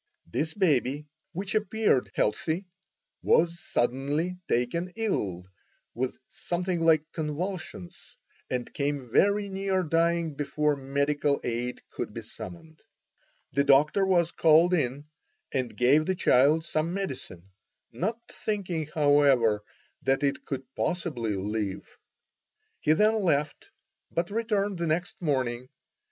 This baby, which appeared healthy, was suddenly taken ill with something like convulsions, and came very near dying before medical aid could be summoned. The doctor was called in and gave the child some medicine, not thinking, however, that it could possibly live. He then left, but returned the next morning.